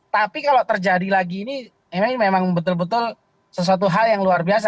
tapi kalau terjadi lagi ini memang betul betul sesuatu hal yang luar biasa